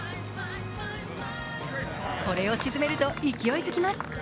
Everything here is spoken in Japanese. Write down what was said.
これを沈めると勢いづきます。